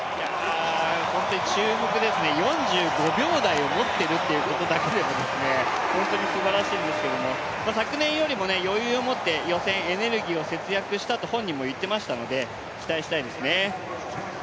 いや、注目ですね、４５秒台を持ってるってことだけでも本当にすばらしいんですが、昨年よりも余裕を持って予選、エネルギーを節約したと本人も言っていましたので期待したいですね。